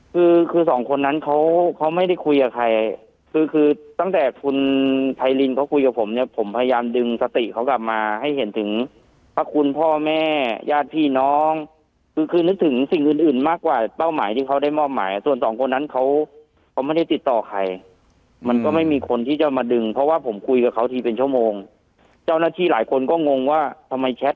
คือคือสองคนนั้นเขาเขาไม่ได้คุยกับใครคือคือตั้งแต่คุณไพรินเขาคุยกับผมเนี่ยผมพยายามดึงสติเขากลับมาให้เห็นถึงพระคุณพ่อแม่ญาติพี่น้องคือคือนึกถึงสิ่งอื่นอื่นมากกว่าเป้าหมายที่เขาได้มอบหมายส่วนสองคนนั้นเขาเขาไม่ได้ติดต่อใครมันก็ไม่มีคนที่จะมาดึงเพราะว่าผมคุยกับเขาทีเป็นชั่วโมงเจ้าหน้าที่หลายคนก็งงว่าทำไมแชท